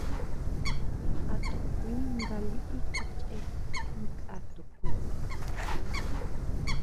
A to kui nga liʼí kichʼe nkʼa tukuí.